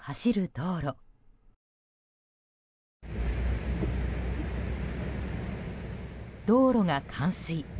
道路が冠水。